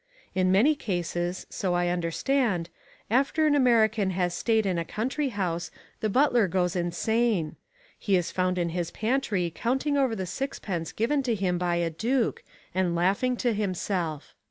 In many cases, so I understand, after an American has stayed in a country house the butler goes insane. He is found in his pantry counting over the sixpence given to him by a Duke, and laughing to himself.